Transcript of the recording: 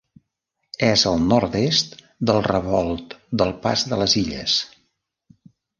És al nord-est del Revolt del Pas de les Illes.